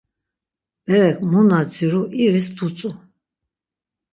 Berek mu na ziru iris dutzu.